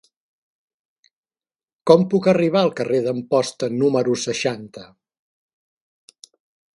Com puc arribar al carrer d'Amposta número seixanta?